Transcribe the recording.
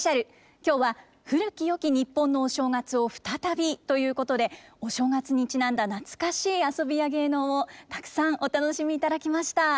今日は「古きよき日本のお正月を再び」ということでお正月にちなんだ懐かしい遊びや芸能をたくさんお楽しみいただきました。